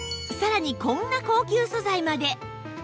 さらにこんな高級素材まで